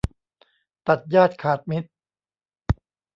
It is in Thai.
ตัดญาติขาดมิตร